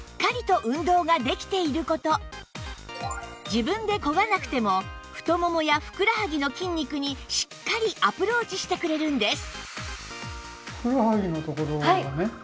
自分で漕がなくても太ももやふくらはぎの筋肉にしっかりアプローチしてくれるんです